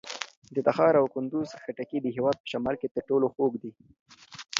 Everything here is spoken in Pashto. د تخار او کندوز خټکي د هېواد په شمال کې تر ټولو خوږ دي.